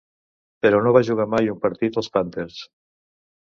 Però no va jugar mai un partit als Panthers.